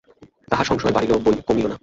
তাঁহার সংশয় বাড়িল বৈ কমিল না।